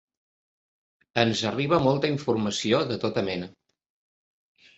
Ens arriba molta informació de tota mena.